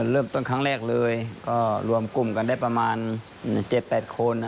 เริ่มต้นครั้งแรกเลยก็รวมกลุ่มกันได้ประมาณ๗๘คน